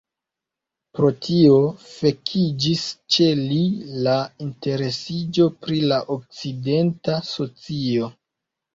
Pro tio vekiĝis ĉe li la interesiĝo pri la okcidenta socio.